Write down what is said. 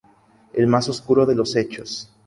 El más oscuro de los hechos.